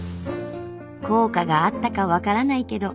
効果があったか分からないけど